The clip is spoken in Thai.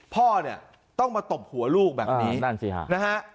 พ่อเนี้ยต้องมาตบหัวลูกแบบนี้อ่าด้านสี่หานะฮะ